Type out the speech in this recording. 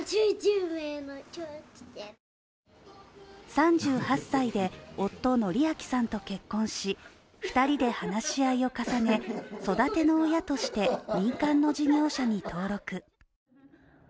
３８歳で夫・典昭さんと結婚し２人で話し合いを重ね育ての親として民間の事業者に登録。